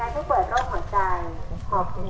สวัสดีครับ